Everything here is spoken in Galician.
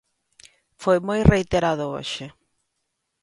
Foi moi reiterado hoxe.